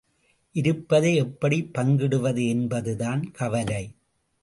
இருப்பதை எப்படிப் பங்கிடுவது என்பதுதான் கவலை!